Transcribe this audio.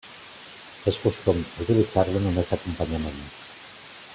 És costum utilitzar-lo només d'acompanyament.